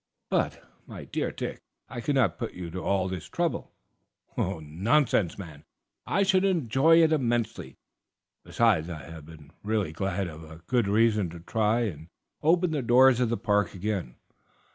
"But, my dear Dick, I could not put you to all this trouble!" "Nonsense, man. I should enjoy it immensely; besides, I shall be really glad of a good reason to try and open the doors of the Park again.